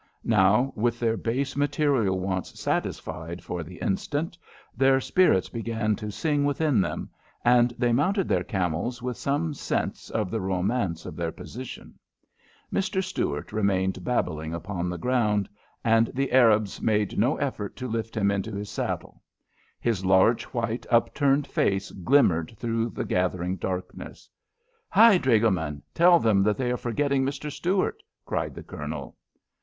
Now, with their base material wants satisfied for the instant, their spirits began to sing within them, and they mounted their camels with some sense of the romance of their position. Mr. Stuart remained babbling upon the ground, and the Arabs made no effort to lift him into his saddle. His large, white, upturned face glimmered through the gathering darkness. "Hi, dragoman, tell them that they are forgetting Mr. Stuart," cried the Colonel.